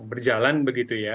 berjalan begitu ya